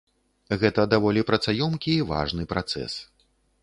Гэта даволі працаёмкі і важны працэс.